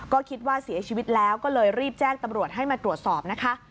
ก็คิดว่าเสียชีวิตแล้วก็เลยรีบแจ้งตำรวจให้มาตรวจสอบนะคะ